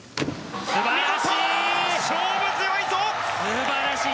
素晴らしい！